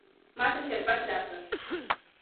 ما ته شربت راکه.